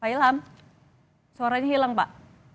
pak ilham suaranya hilang pak